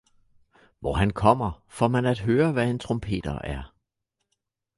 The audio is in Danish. Hvor han kommer, får man at høre hvad en trompeter er